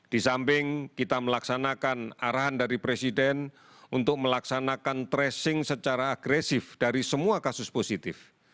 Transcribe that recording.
di samping kita melaksanakan arahan dari presiden untuk melaksanakan tracing secara agresif dari semua kasus positif